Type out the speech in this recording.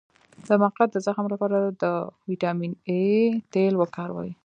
د مقعد د زخم لپاره د ویټامین اي تېل وکاروئ